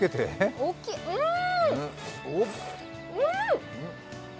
うん！